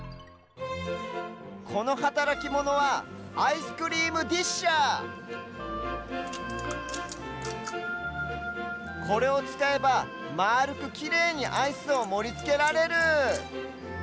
このはたらきモノはアイスクリームディッシャーこれをつかえばまあるくきれいにアイスをもりつけられる。